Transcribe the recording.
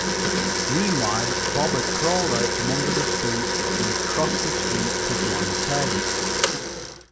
Meanwhile Bob had crawled out from under the stoop and had crossed the street to Join Ted.